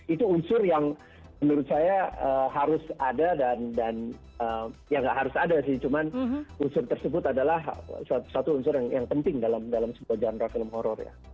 itu unsur yang menurut saya harus ada dan ya nggak harus ada sih cuman unsur tersebut adalah satu unsur yang penting dalam sebuah genre film horror ya